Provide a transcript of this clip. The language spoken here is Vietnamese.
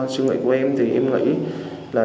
sự nguyện của em thì em nghĩ là